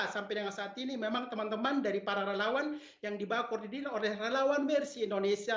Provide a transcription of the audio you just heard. sampai dengan saat ini memang teman teman dari para relawan yang dibakor didilai oleh relawan mercy indonesia